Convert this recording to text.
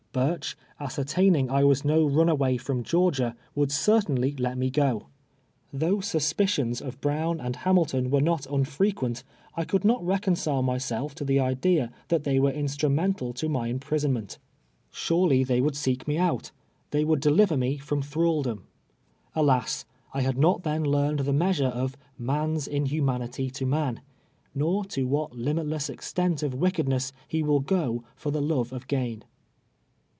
Burch, ascertaining I was no runaway from Georgia, would certainly let me iro. TliouiJ h sus])icions of V O OX 4S nVELVE YEARS A SLAVE. Prown and ITainilton ■vvcre not mifreqiicnt, I could not reconcile niyself to tlie idea that they were in strumental to my imprisonment. Surely they would seek me out — tliey would deliver me i'rom thraldom. AhisI I had mtt tlien learned the measure of " num's iidnnna)iity to man," nor to what limilless extent of wickedness he will go fir the love of <z;ain.